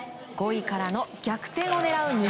５位からの逆転を狙う